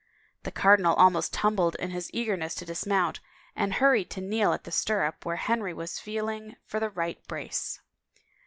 The cardinal almost tumbled in his eagerness to dismount, and hurried to kneel at the stirrup where Henry was feeling for the right brace.